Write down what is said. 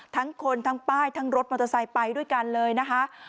ทั้งคนทั้งป้ายทั้งรถมอเตอร์ไซค์ไปด้วยกันเลยนะคะ